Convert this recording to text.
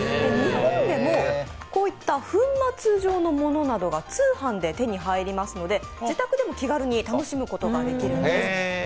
日本でも粉末状のものなどが通販で手に入りますので、自宅でも気軽に楽しむことができるんです。